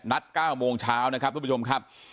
นัดเจอก้าวโมงเช้านะครับทุกผู้ชมครับ